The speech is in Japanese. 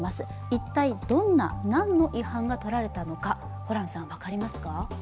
一体どんな、何の違反が取られたのか、ホランさん、分かりますか？